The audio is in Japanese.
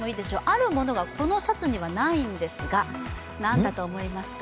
あるものが、このシャツにはないんですが、何だと思いますか？